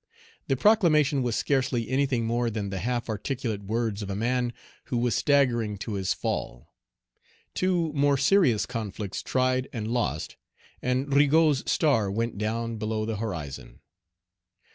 The proclamation was scarcely anything more than the half articulate words of a man who was staggering to his fall. Two more serious conflicts tried, and lost, and Rigaud's star went down below the horizon.